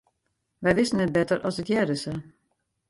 Wy wisten net better as it hearde sa.